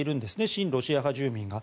親ロシア派住民が。